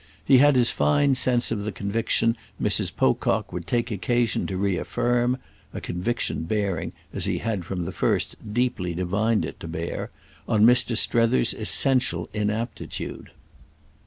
He had his fine sense of the conviction Mrs. Pocock would take occasion to reaffirm—a conviction bearing, as he had from the first deeply divined it to bear, on Mr. Strether's essential inaptitude.